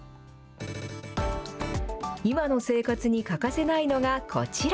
今の生活に欠かせないのがこちら。